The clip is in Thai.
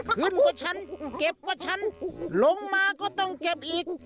ขึ้นกว่าฉันเก็บกว่าฉันลงมาก็ต้องเก็บอีก